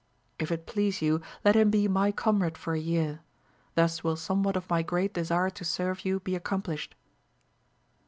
If it please you, let him be my comrade for a year : thus will somewhat of my great desire to serve you be accomplished.